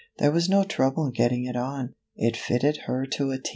There was no trouble getting it on ; it fitted her to a T.